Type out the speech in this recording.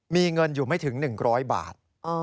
มีเงินอยู่ไม่ถึง๑๐๐บาท